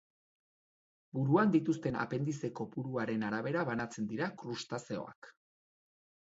Buruan dituzten apendize kopuruaren arabera banatzen dira krustazeoak.